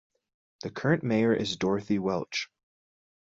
The current mayor is Dorothy Welch.